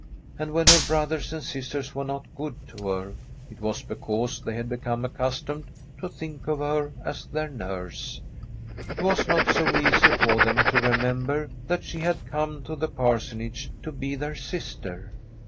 And when her brothers and sisters were not good to her, it was because they had become accustomed to think of her as their nurse. It was not so easy for them to remem ber that she had come to the Parsonage to be their sister.